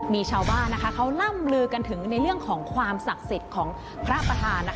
มีชาวบ้านเขาล่ำลือกันถึงในเรื่องของความศักดิ์สิทธิ์ของพระประธาน